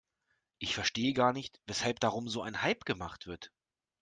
Ich verstehe gar nicht, weshalb darum so ein Hype gemacht wird.